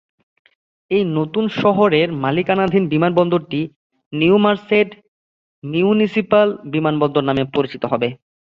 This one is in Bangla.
এই নতুন শহরের মালিকানাধীন বিমানবন্দরটি "নিউ মার্সেড মিউনিসিপাল বিমানবন্দর" নামে পরিচিত হবে।